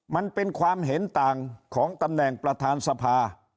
มันเป็นความเห็นต่างของตำแหน่งประธานสภา